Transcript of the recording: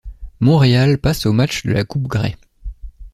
Montréal passe au match de la coupe Grey.